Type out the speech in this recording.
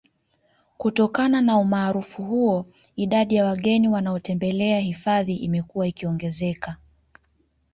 Kutokana na umaarufu huo idadi ya wageni wanaotembelea hifadhi imekuwa ikiongezeka